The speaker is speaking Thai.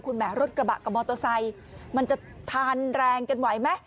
แหมรถกระบะกับมอเตอร์ไซค์มันจะทานแรงกันไหวไหม